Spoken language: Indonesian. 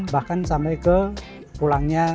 bahkan sampai ke pulangnya